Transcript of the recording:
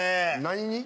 何に？